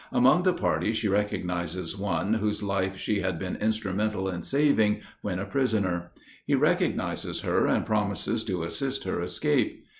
Among the party she recognizes one whose life she had been instrumental in saving, when a prisoner. He recognizes her, and promises to assist her escape.